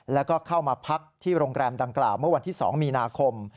แล้วก็เข้ามาพักที่โรงแรมดังกล่าวเมื่อวันที่๒มีนาคม